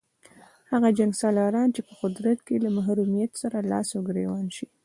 هغه جنګسالاران چې په قدرت کې له محرومیت سره لاس او ګرېوان شي.